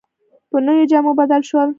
په نویو جامو بدل شول.